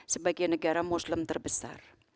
sebagai negara muslim terbesar